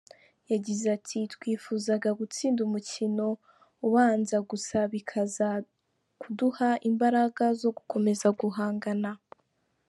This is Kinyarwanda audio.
Yagize ati ”Twifuzaga gutsinda umukino ubanza gusa bikaza kuduha imbaraga zo gukomeza guhangana.